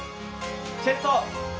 チェスト！